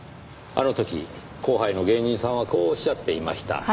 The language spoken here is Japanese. あの時後輩の芸人さんはこう仰っていました。